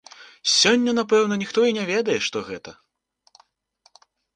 Сёння, напэўна, ніхто і не ведае, што гэта.